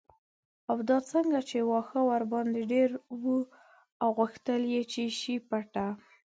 او دا ځکه چې واښه ورباندې ډیر و او غوښتل یې چې شي پټه